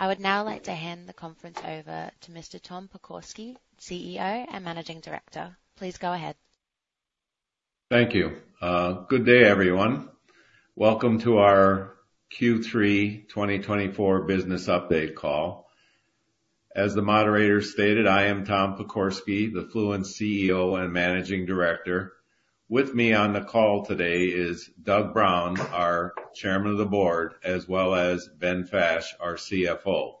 I would now like to hand the conference over to Mr. Tom Pokorsky, CEO and Managing Director. Please go ahead. Thank you. Good day, everyone. Welcome to our Q3 2024 business update call. As the moderator stated, I am Tom Pokorsky, the Fluence CEO and Managing Director. With me on the call today is Doug Brown, our Chairman of the Board, as well as Ben Fash, our CFO.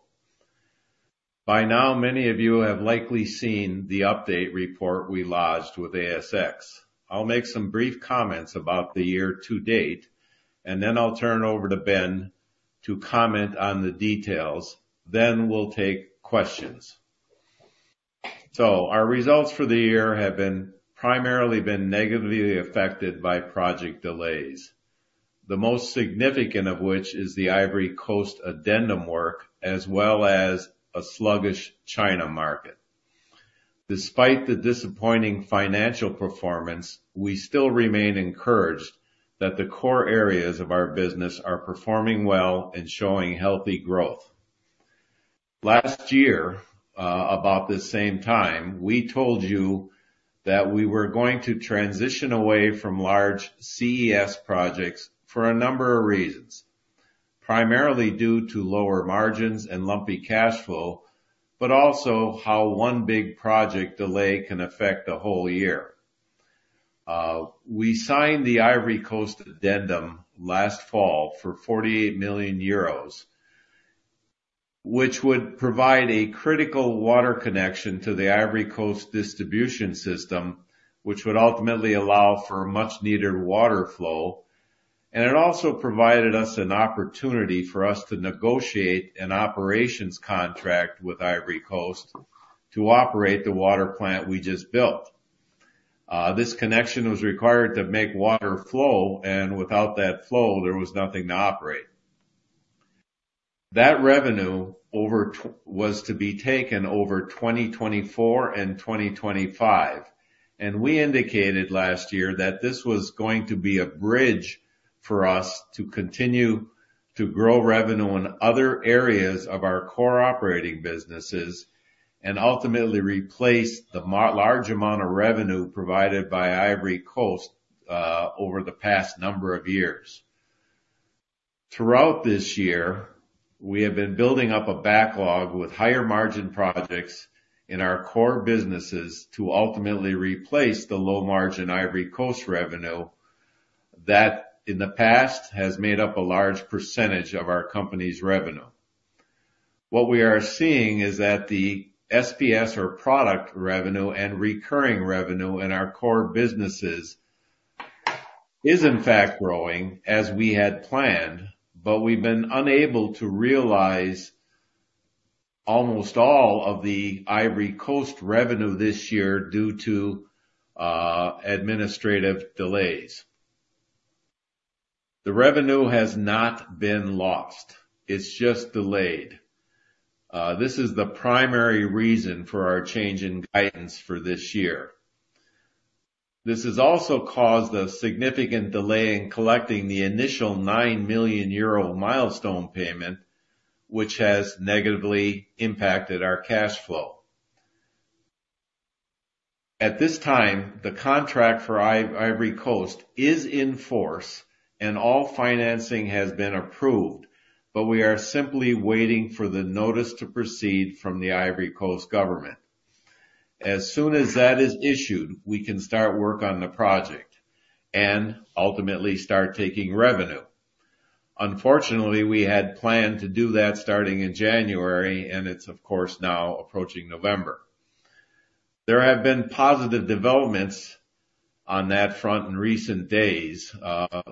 By now, many of you have likely seen the update report we lodged with ASX. I'll make some brief comments about the year to date, and then I'll turn it over to Ben to comment on the details. Then we'll take questions, so our results for the year have primarily been negatively affected by project delays, the most significant of which is the Ivory Coast addendum work, as well as a sluggish China market. Despite the disappointing financial performance, we still remain encouraged that the core areas of our business are performing well and showing healthy growth. Last year, about the same time, we told you that we were going to transition away from large CES projects for a number of reasons, primarily due to lower margins and lumpy cash flow, but also how one big project delay can affect a whole year. We signed the Ivory Coast addendum last fall for 48 million euros, which would provide a critical water connection to the Ivory Coast distribution system, which would ultimately allow for much-needed water flow, and it also provided us an opportunity for us to negotiate an operations contract with Ivory Coast to operate the water plant we just built. This connection was required to make water flow, and without that flow, there was nothing to operate. That revenue was to be taken over 2024 and 2025, and we indicated last year that this was going to be a bridge for us to continue to grow revenue in other areas of our core operating businesses and ultimately replace the large amount of revenue provided by Ivory Coast over the past number of years. Throughout this year, we have been building up a backlog with higher margin projects in our core businesses to ultimately replace the low margin Ivory Coast revenue that in the past has made up a large percentage of our company's revenue. What we are seeing is that the SPS, or product revenue and recurring revenue in our core businesses, is in fact growing as we had planned, but we've been unable to realize almost all of the Ivory Coast revenue this year due to administrative delays. The revenue has not been lost. It's just delayed. This is the primary reason for our change in guidance for this year. This has also caused a significant delay in collecting the initial 9 million euro milestone payment, which has negatively impacted our cash flow. At this time, the contract for Ivory Coast is in force, and all financing has been approved, but we are simply waiting Notice to Proceed from the Ivory Coast government. As soon as that is issued, we can start work on the project and ultimately start taking revenue. Unfortunately, we had planned to do that starting in January, and it's, of course, now approaching November. There have been positive developments on that front in recent days,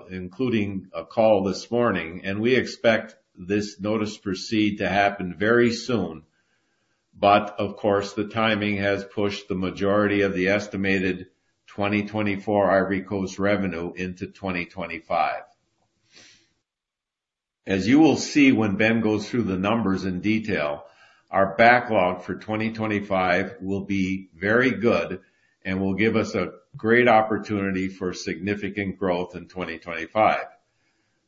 including a call this morning, and we expect Notice to Proceed to happen very soon. But, of course, the timing has pushed the majority of the estimated 2024 Ivory Coast revenue into 2025. As you will see when Ben goes through the numbers in detail, our backlog for 2025 will be very good and will give us a great opportunity for significant growth in 2025.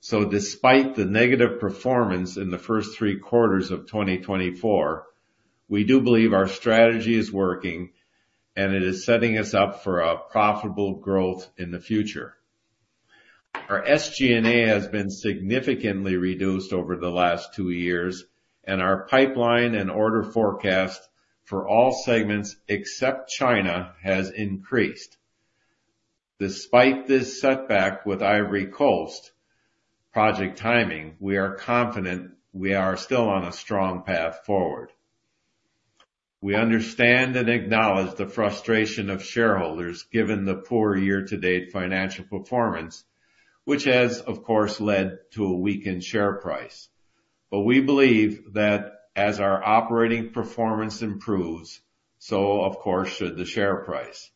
So despite the negative performance in the first three quarters of 2024, we do believe our strategy is working, and it is setting us up for a profitable growth in the future. Our SG&A has been significantly reduced over the last two years, and our pipeline and order forecast for all segments except China has increased. Despite this setback with Ivory Coast project timing, we are confident we are still on a strong path forward. We understand and acknowledge the frustration of shareholders given the poor year-to-date financial performance, which has, of course, led to a weakened share price. But we believe that as our operating performance improves, so, of course, should the share price.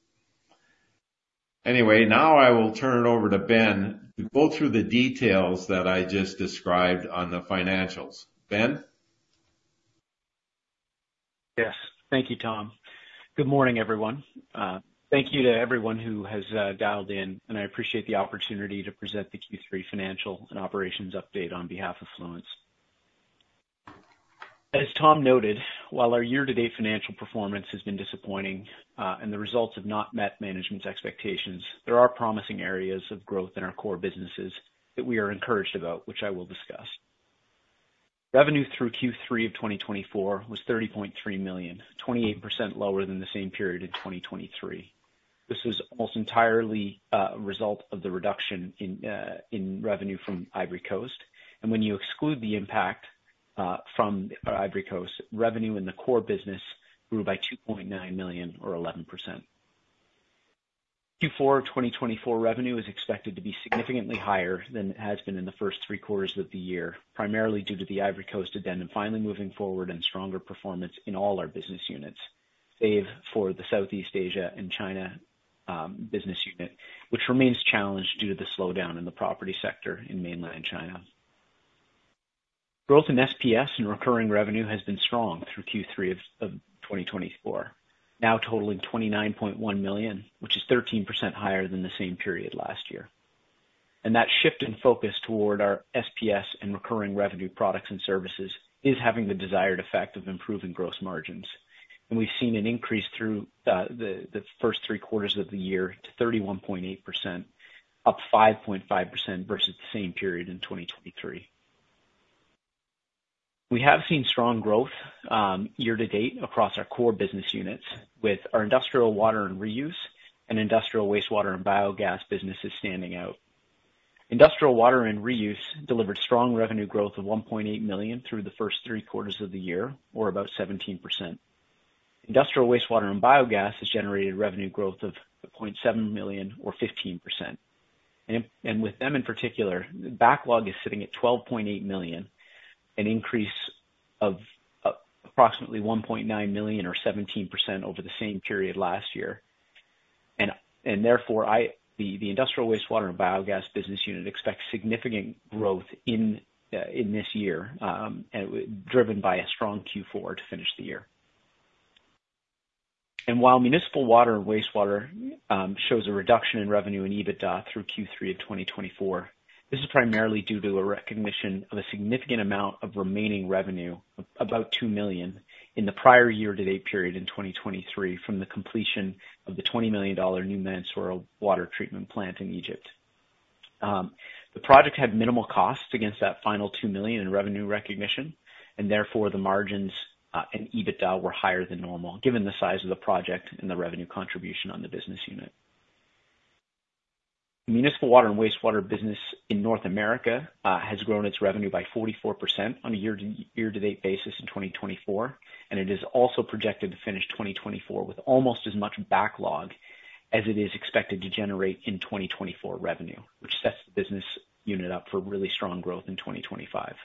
Anyway, now I will turn it over to Ben to go through the details that I just described on the financials. Ben? Yes. Thank you, Tom. Good morning, everyone. Thank you to everyone who has dialed in, and I appreciate the opportunity to present the Q3 financial and operations update on behalf of Fluence. As Tom noted, while our year-to-date financial performance has been disappointing and the results have not met management's expectations, there are promising areas of growth in our core businesses that we are encouraged about, which I will discuss. Revenue through Q3 of 2024 was $30.3 million, 28% lower than the same period in 2023. This was almost entirely a result of the reduction in revenue from Ivory Coast, and when you exclude the impact from Ivory Coast, revenue in the core business grew by $2.9 million, or 11%. Q4 2024 revenue is expected to be significantly higher than it has been in the first three quarters of the year, primarily due to the Ivory Coast addendum finally moving forward and stronger performance in all our business units, save for the Southeast Asia and China business unit, which remains challenged due to the slowdown in the property sector in mainland China. Growth in SPS and recurring revenue has been strong through Q3 of 2024, now totaling $29.1 million, which is 13% higher than the same period last year. That shift in focus toward our SPS and recurring revenue products and services is having the desired effect of improving gross margins. We've seen an increase through the first three quarters of the year to 31.8%, up 5.5% versus the same period in 2023. We have seen strong growth year-to-date across our core business units, with our Industrial Water and Reuse and Industrial Wastewater and Biogas businesses standing out. Industrial Water and Reuse delivered strong revenue growth of $1.8 million through the first three quarters of the year, or about 17%. Industrial Wastewater and Biogas has generated revenue growth of $0.7 million, or 15%. And with them in particular, the backlog is sitting at $12.8 million, an increase of approximately $1.9 million, or 17%, over the same period last year. And therefore, the Industrial Wastewater and Biogas business unit expects significant growth in this year, driven by a strong Q4 to finish the year. Municipal Water and Wastewater shows a reduction in revenue in EBITDA through Q3 of 2024, this is primarily due to a recognition of a significant amount of remaining revenue, about $2 million, in the prior year-to-date period in 2023 from the completion of the $20 million New Mansoura water treatment plant in Egypt. The project had minimal costs against that final $2 million in revenue recognition, and therefore the margins and EBITDA were higher than normal, given the size of the project and the revenue contribution on the municipal water and wastewater business in North America has grown its revenue by 44% on a year-to-date basis in 2024, and it is also projected to finish 2024 with almost as much backlog as it is expected to generate in 2024 revenue, which sets the business unit up for really strong growth in 2025.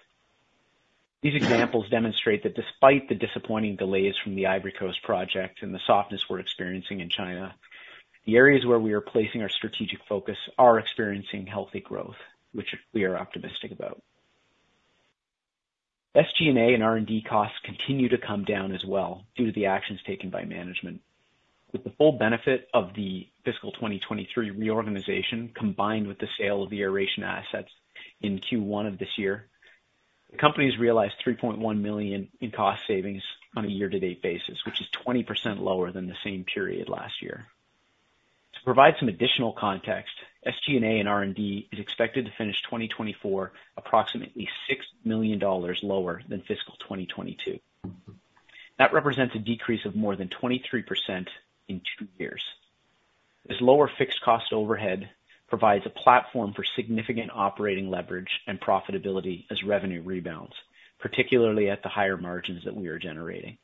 These examples demonstrate that despite the disappointing delays from the Ivory Coast project and the softness we're experiencing in China, the areas where we are placing our strategic focus are experiencing healthy growth, which we are optimistic about. SG&A and R&D costs continue to come down as well due to the actions taken by management. With the full benefit of the fiscal 2023 reorganization combined with the sale of the aeration assets in Q1 of this year, the company has realized $3.1 million in cost savings on a year-to-date basis, which is 20% lower than the same period last year. To provide some additional context, SG&A and R&D is expected to finish 2024 approximately $6 million lower than fiscal 2022. That represents a decrease of more than 23% in two years. This lower fixed cost overhead provides a platform for significant operating leverage and profitability as revenue rebounds, particularly at the higher margins that we are generating.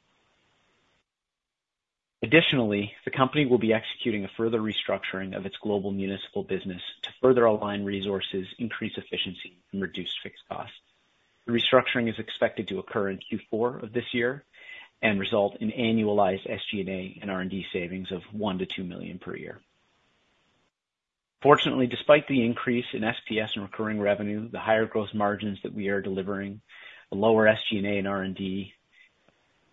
Additionally, the company will be executing a further restructuring of its global municipal business to further align resources, increase efficiency, and reduce fixed costs. The restructuring is expected to occur in Q4 of this year and result in annualized SG&A and R&D savings of $1-$2 million per year. Fortunately, despite the increase in SPS and recurring revenue, the higher gross margins that we are delivering, the lower SG&A and R&D,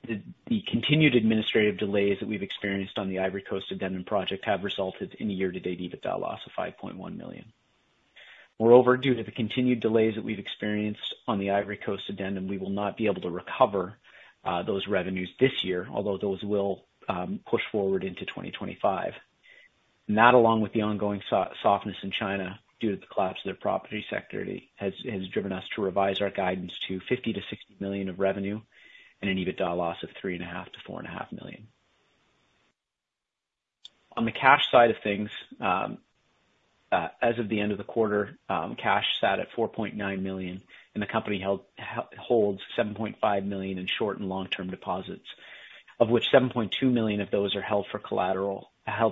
the continued administrative delays that we've experienced on the Ivory Coast addendum project have resulted in a year-to-date EBITDA loss of $5.1 million. Moreover, due to the continued delays that we've experienced on the Ivory Coast addendum, we will not be able to recover those revenues this year, although those will push forward into 2025. And that, along with the ongoing softness in China due to the collapse of their property sector, has driven us to revise our guidance to $50-$60 million of revenue and an EBITDA loss of $3.5-$4.5 million. On the cash side of things, as of the end of the quarter, cash sat at $4.9 million, and the company holds $7.5 million in short and long-term deposits, of which $7.2 million of those are held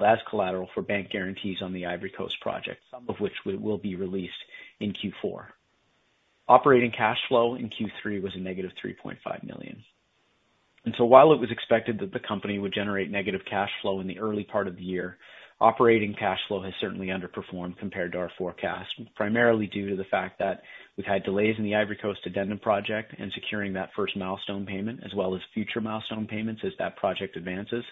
as collateral for bank guarantees on the Ivory Coast project, some of which will be released in Q4. Operating cash flow in Q3 was a negative $3.5 million. And so while it was expected that the company would generate negative cash flow in the early part of the year, operating cash flow has certainly underperformed compared to our forecast, primarily due to the fact that we've had delays in the Ivory Coast addendum project and securing that first milestone payment, as well as future milestone payments as that project advances,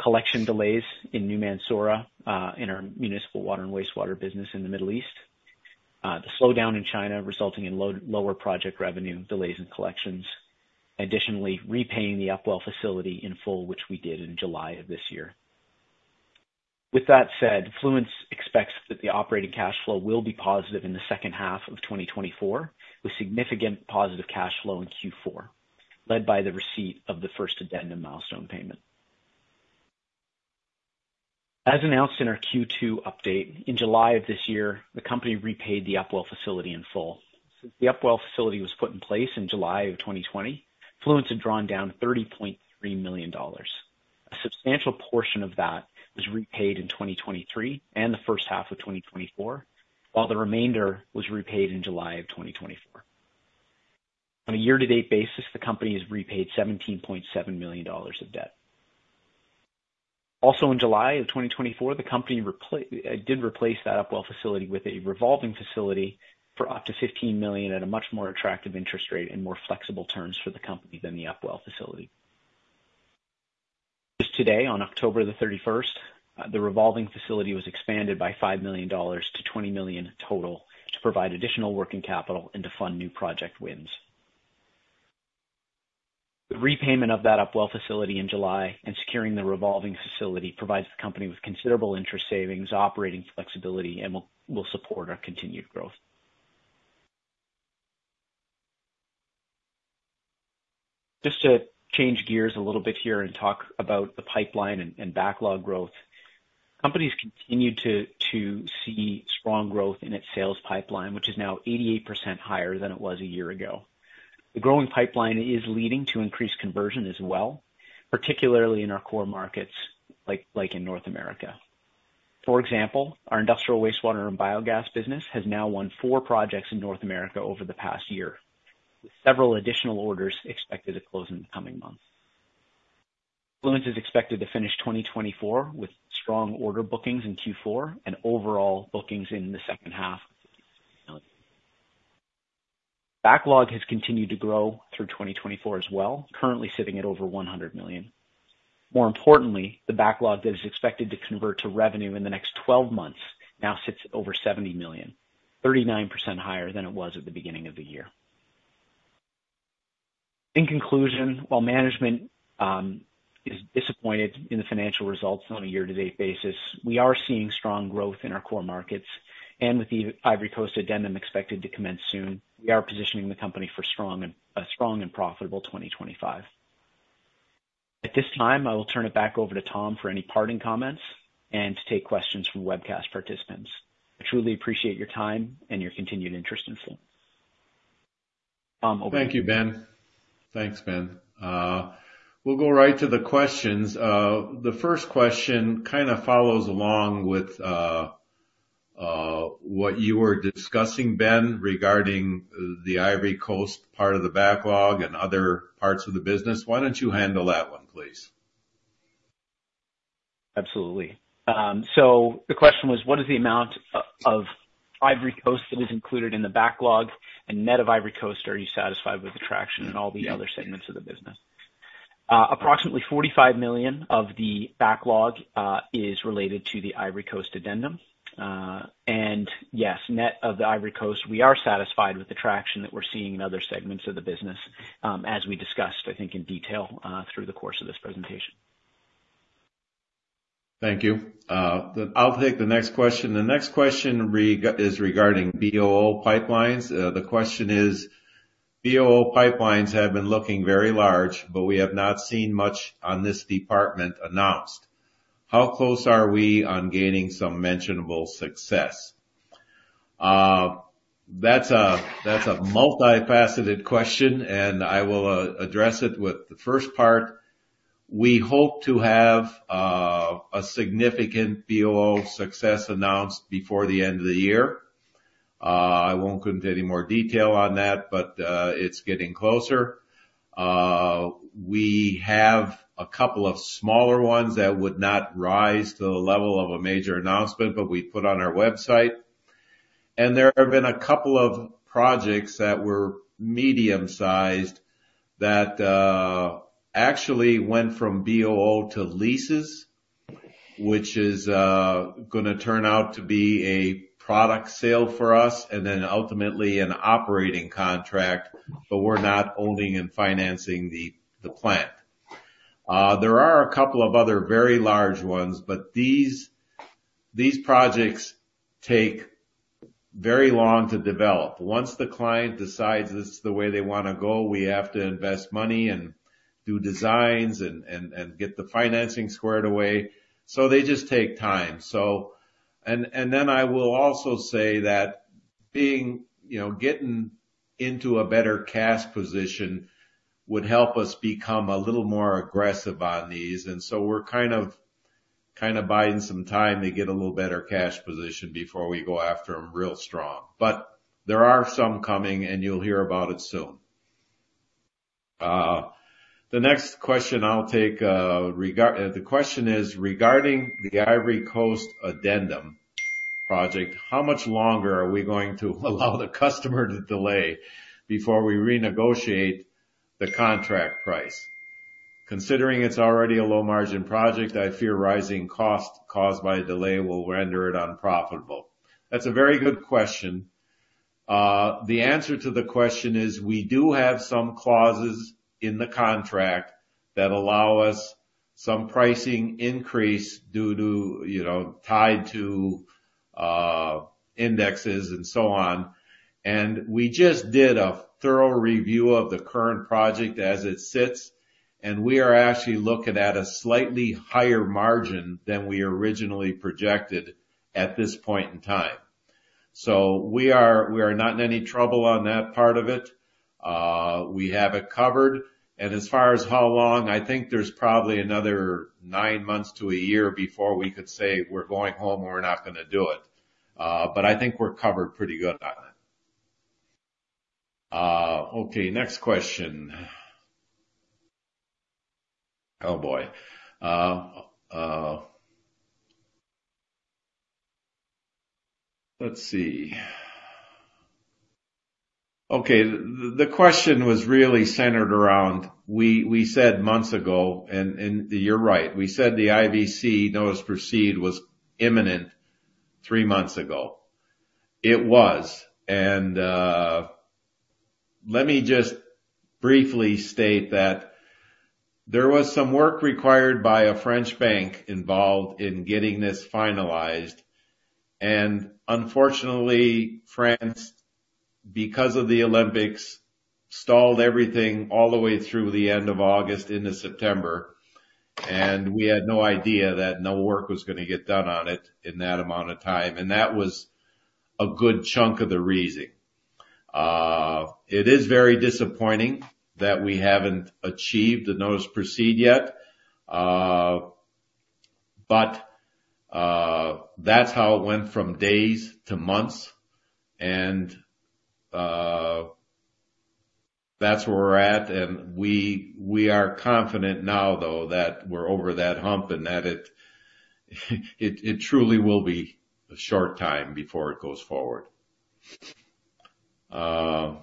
collection delays in new Municipal Water and Wastewater business in the Middle East, the slowdown in China resulting in lower project revenue delays and collections, additionally repaying the Upwell facility in full, which we did in July of this year. With that said, Fluence expects that the operating cash flow will be positive in the second half of 2024, with significant positive cash flow in Q4, led by the receipt of the first addendum milestone payment. As announced in our Q2 update, in July of this year, the company repaid the Upwell facility in full. Since the Upwell facility was put in place in July of 2020, Fluence had drawn down $30.3 million. A substantial portion of that was repaid in 2023 and the first half of 2024, while the remainder was repaid in July of 2024. On a year-to-date basis, the company has repaid $17.7 million of debt. Also, in July of 2024, the company did replace that Upwell facility with a revolving facility for up to $15 million at a much more attractive interest rate and more flexible terms for the company than the Upwell facility. Just today, on October the 31st, the revolving facility was expanded by $5 million to $20 million total to provide additional working capital and to fund new project wins. The repayment of that Upwell facility in July and securing the revolving facility provides the company with considerable interest savings, operating flexibility, and will support our continued growth. Just to change gears a little bit here and talk about the pipeline and backlog growth, company continues to see strong growth in its sales pipeline, which is now 88% higher than it was a year ago. The growing pipeline is leading to increased conversion as well, particularly in our core markets like in North America. For example, our Industrial Wastewater and Biogas business has now won four projects in North America over the past year, with several additional orders expected to close in the coming months. Fluence is expected to finish 2024 with strong order bookings in Q4 and overall bookings in the second half. Backlog has continued to grow through 2024 as well, currently sitting at over $100 million. More importantly, the backlog that is expected to convert to revenue in the next 12 months now sits at over $70 million, 39% higher than it was at the beginning of the year. In conclusion, while management is disappointed in the financial results on a year-to-date basis, we are seeing strong growth in our core markets, and with the Ivory Coast addendum expected to commence soon, we are positioning the company for a strong and profitable 2025. At this time, I will turn it back over to Tom for any parting comments and to take questions from webcast participants. I truly appreciate your time and your continued interest in Fluence. Tom, over to you. Thank you, Ben. Thanks, Ben. We'll go right to the questions. The first question kind of follows along with what you were discussing, Ben, regarding the Ivory Coast part of the backlog and other parts of the business. Why don't you handle that one, please? Absolutely. So the question was, what is the amount of Ivory Coast that is included in the backlog and net of Ivory Coast? Are you satisfied with the traction in all the other segments of the business? Approximately $45 million of the backlog is related to the Ivory Coast addendum. And yes, net of the Ivory Coast, we are satisfied with the traction that we're seeing in other segments of the business, as we discussed, I think, in detail through the course of this presentation. Thank you. I'll take the next question. The next question is regarding BOO pipelines. The question is, BOO pipelines have been looking very large, but we have not seen much on this department announced. How close are we on gaining some mentionable success? That's a multifaceted question, and I will address it with the first part. We hope to have a significant BOO success announced before the end of the year. I won't go into any more detail on that, but it's getting closer. We have a couple of smaller ones that would not rise to the level of a major announcement, but we put on our website. There have been a couple of projects that were medium-sized that actually went from BOO to leases, which is going to turn out to be a product sale for us and then ultimately an operating contract, but we're not owning and financing the plant. There are a couple of other very large ones, but these projects take very long to develop, once the client decides it's the way they want to go, we have to invest money and do designs and get the financing squared away, so they just take time, and then I will also say that getting into a better cash position would help us become a little more aggressive on these, and so we're kind of buying some time to get a little better cash position before we go after them real strong, but there are some coming, and you'll hear about it soon. The next question I'll take. The question is, regarding the Ivory Coast addendum project, how much longer are we going to allow the customer to delay before we renegotiate the contract price? Considering it's already a low-margin project, I fear rising costs caused by delay will render it unprofitable. That's a very good question. The answer to the question is we do have some clauses in the contract that allow us some pricing increase tied to indexes and so on, and we just did a thorough review of the current project as it sits, and we are actually looking at a slightly higher margin than we originally projected at this point in time, so we are not in any trouble on that part of it. We have it covered. And as far as how long, I think there's probably another nine months to a year before we could say we're going home and we're not going to do it. But I think we're covered pretty good on it. Okay, next question. Oh boy. Let's see. Okay, the question was really centered around we said months ago, and you're right. we haven't received the Notice to Proceed was imminent three months ago. It was. And let me just briefly state that there was some work required by a French bank involved in getting this finalized. And unfortunately, France, because of the Olympics, stalled everything all the way through the end of August into September. And we had no idea that no work was going to get done on it in that amount of time. And that was a good chunk of the reason. It is very disappointing that we haven't received the Notice to Proceed yet. but that's how it went from days to months. And that's where we're at. And we are confident now, though, that we're over that hump and that it truly will be a short time before it goes forward. Ben,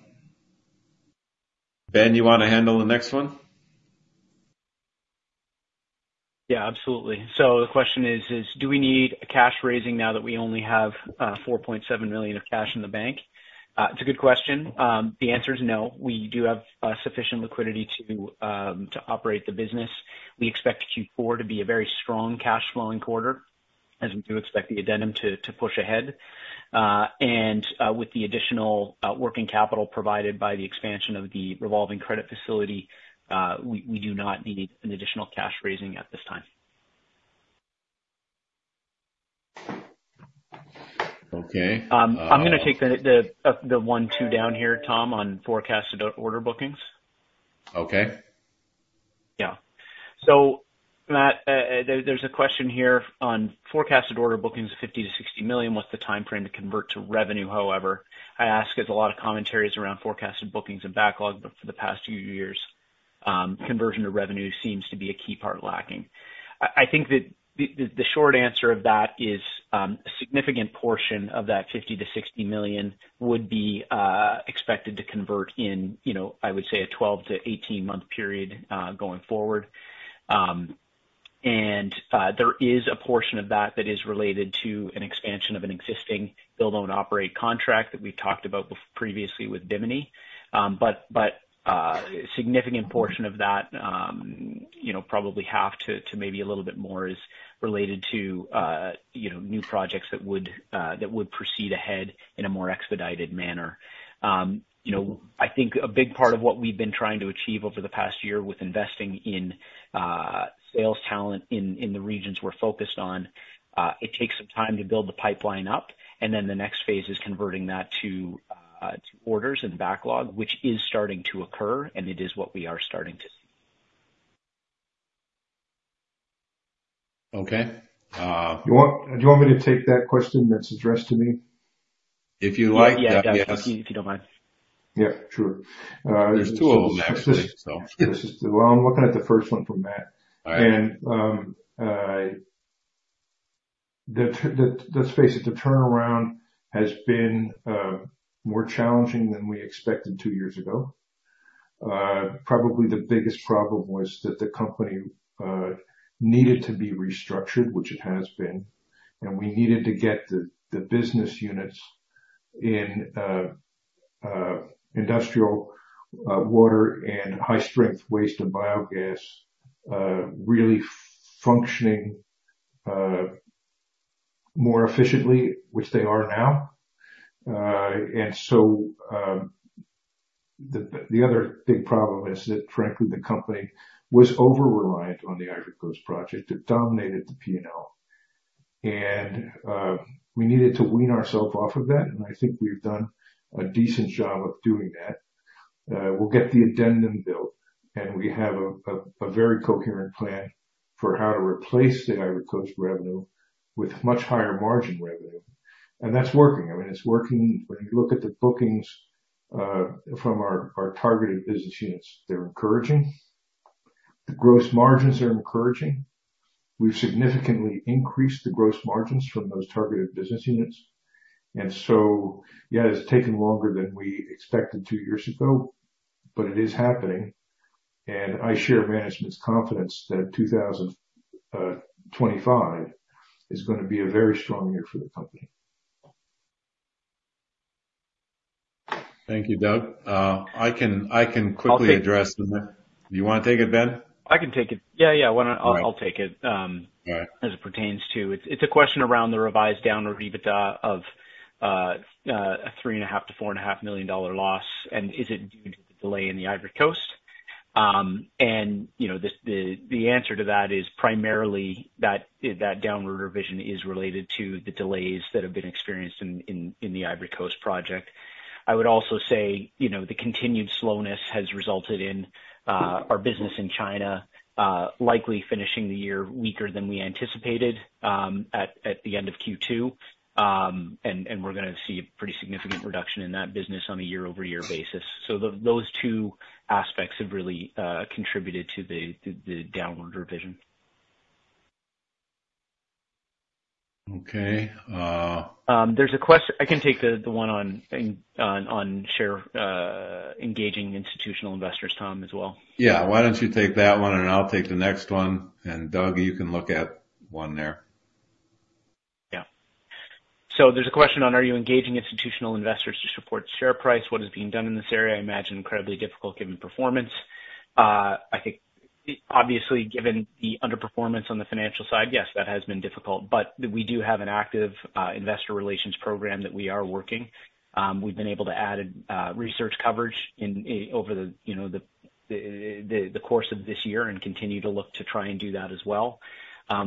you want to handle the next one? Yeah, absolutely. So the question is, do we need cash raising now that we only have $4.7 million of cash in the bank? It's a good question. The answer is no. We do have sufficient liquidity to operate the business. We expect Q4 to be a very strong cash-flowing quarter, as we do expect the addendum to push ahead. And with the additional working capital provided by the expansion of the revolving credit facility, we do not need an additional cash raising at this time. Okay. I'm going to take the one two down here, Tom, on forecasted order bookings. Okay. Yeah. So Matt, there's a question here on forecasted order bookings of $50-$60 million. What's the time frame to convert to revenue, however? I ask because a lot of commentary is around forecasted bookings and backlog, but for the past few years, conversion to revenue seems to be a key part lacking. I think that the short answer of that is a significant portion of that $50-$60 million would be expected to convert in, I would say, a 12-18-month period going forward. And there is a portion of that that is related to an expansion of an existing build-own-operate contract that we've talked about previously with Bimini. But a significant portion of that, probably half to maybe a little bit more, is related to new projects that would proceed ahead in a more expedited manner. I think a big part of what we've been trying to achieve over the past year with investing in sales talent in the regions we're focused on. It takes some time to build the pipeline up, and then the next phase is converting that to orders and backlog, which is starting to occur, and it is what we are starting to see. Okay. Do you want me to take that question that's addressed to me? If you like. Yeah, if you don't mind. Yeah, sure. There's two of them actually. Well, I'm looking at the first one from Matt. And the pace at the turnaround has been more challenging than we expected two years ago. Probably the biggest problem was that the company needed to be restructured, which it has been. And we needed to get the business units in industrial water and high-strength waste and biogas really functioning more efficiently, which they are now. And so the other big problem is that, frankly, the company was over-reliant on the Ivory Coast project. It dominated the P&L. And we needed to wean ourselves off of that. And I think we've done a decent job of doing that. We'll get the addendum built, and we have a very coherent plan for how to replace the Ivory Coast revenue with much higher margin revenue. And that's working. I mean, it's working. When you look at the bookings from our targeted business units, they're encouraging. The gross margins are encouraging. We've significantly increased the gross margins from those targeted business units, and so, yeah, it's taken longer than we expected two years ago, but it is happening, and I share management's confidence that 2025 is going to be a very strong year for the company. Thank you, Doug. I can quickly address. Do you want to take it, Ben? I can take it. Yeah, yeah. I'll take it as it pertains to; it's a question around the revised downward EBITDA of a $3.5-$4.5 million loss. And is it due to the delay in the Ivory Coast? And the answer to that is primarily that downward revision is related to the delays that have been experienced in the Ivory Coast project. I would also say the continued slowness has resulted in our business in China likely finishing the year weaker than we anticipated at the end of Q2. And we're going to see a pretty significant reduction in that business on a year-over-year basis. So those two aspects have really contributed to the downward revision. Okay. There's a question. I can take the one on engaging institutional investors, Tom, as well. Yeah, why don't you take that one, and I'll take the next one. And Doug, you can look at one there. Yeah. So there's a question on, are you engaging institutional investors to support share price? What is being done in this area? I imagine incredibly difficult given performance. I think, obviously, given the underperformance on the financial side, yes, that has been difficult. But we do have an active investor relations program that we are working. We've been able to add research coverage over the course of this year and continue to look to try and do that as well.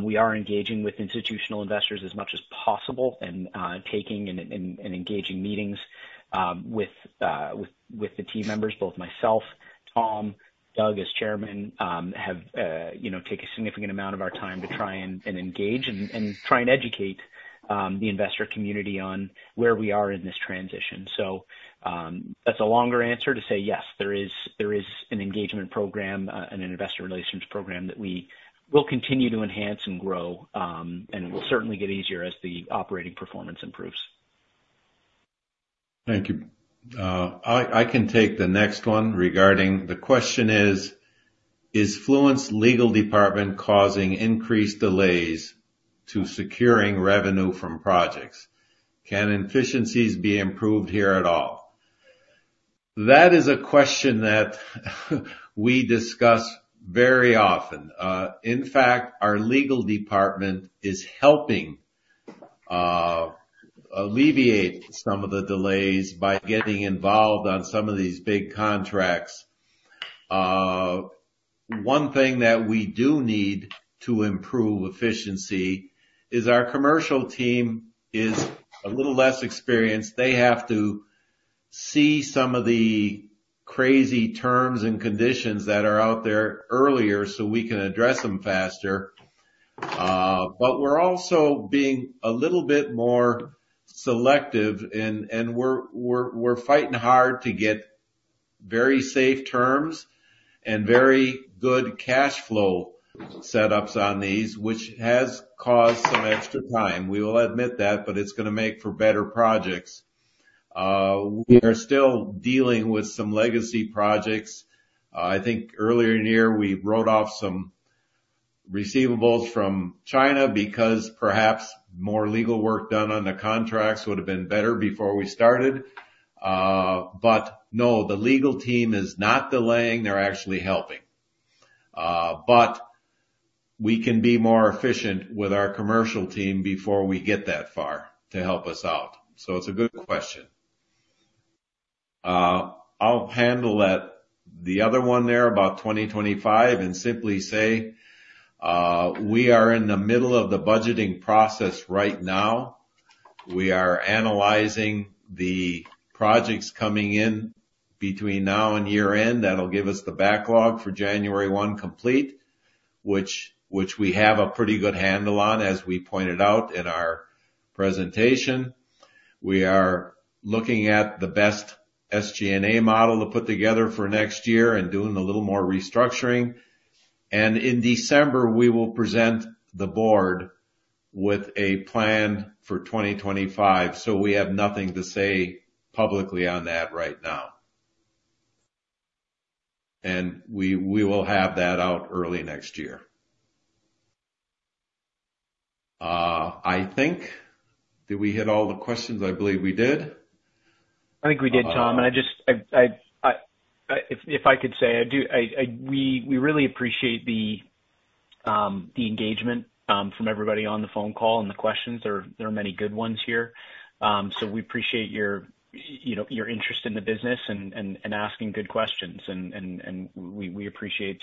We are engaging with institutional investors as much as possible and taking and engaging meetings with the team members, both myself, Tom, Doug as Chairman, have taken a significant amount of our time to try and engage and try and educate the investor community on where we are in this transition. So that's a longer answer to say, yes, there is an engagement program and an investor relations program that we will continue to enhance and grow. And it will certainly get easier as the operating performance improves. Thank you. I can take the next one regarding the question: is Fluence Legal Department causing increased delays to securing revenue from projects? Can efficiencies be improved here at all? That is a question that we discuss very often. In fact, our legal department is helping alleviate some of the delays by getting involved on some of these big contracts. One thing that we do need to improve efficiency is our commercial team is a little less experienced. They have to see some of the crazy terms and conditions that are out there earlier so we can address them faster. But we're also being a little bit more selective. And we're fighting hard to get very safe terms and very good cash flow setups on these, which has caused some extra time. We will admit that, but it's going to make for better projects. We are still dealing with some legacy projects. I think earlier in the year, we wrote off some receivables from China because perhaps more legal work done on the contracts would have been better before we started. But no, the legal team is not delaying. They're actually helping. But we can be more efficient with our commercial team before we get that far to help us out. So it's a good question. I'll handle that. The other one there about 2025 and simply say we are in the middle of the budgeting process right now. We are analyzing the projects coming in between now and year-end. That'll give us the backlog for January 1 complete, which we have a pretty good handle on, as we pointed out in our presentation. We are looking at the best SG&A model to put together for next year and doing a little more restructuring. In December, we will present the board with a plan for 2025. We have nothing to say publicly on that right now. We will have that out early next year. I think. Did we hit all the questions? I believe we did. I think we did, Tom. And if I could say, we really appreciate the engagement from everybody on the phone call and the questions. There are many good ones here. So we appreciate your interest in the business and asking good questions. And we appreciate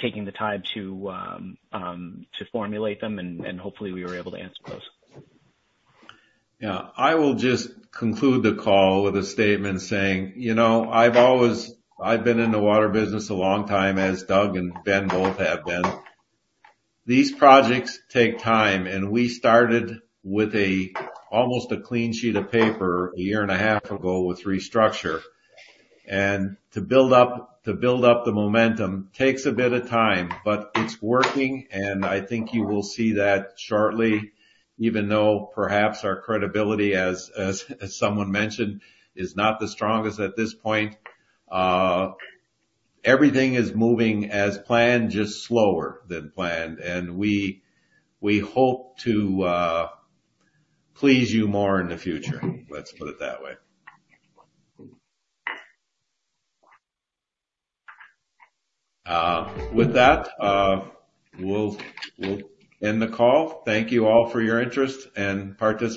taking the time to formulate them. And hopefully, we were able to answer those. Yeah. I will just conclude the call with a statement saying, "I've been in the water business a long time, as Doug and Ben both have been. These projects take time. And we started with almost a clean sheet of paper a year and a half ago with restructure. And to build up the momentum takes a bit of time. But it's working. And I think you will see that shortly, even though perhaps our credibility, as someone mentioned, is not the strongest at this point. Everything is moving as planned, just slower than planned. And we hope to please you more in the future." Let's put it that way. With that, we'll end the call. Thank you all for your interest and participation.